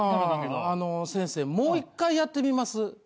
先生もう１回やってみます。